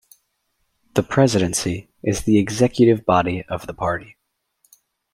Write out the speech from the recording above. The Presidency is the executive body of the party.